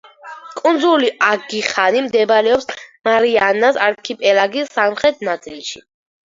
კუნძული აგიხანი მდებარეობს მარიანას არქიპელაგის სამხრეთ ნაწილში.